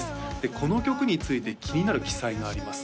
この曲について気になる記載があります